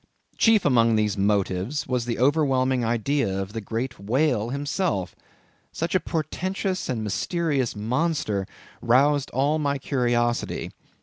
Chief among these motives was the overwhelming idea of the great whale himself. Such a portentous and mysterious monster roused all my curiosity.